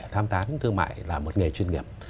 tham gia thương mại là một nghề chuyên nghiệp